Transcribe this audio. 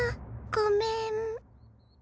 ごめん。